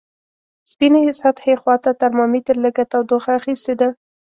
سپینې سطحې خواته ترمامتر لږه تودوخه اخستې ده.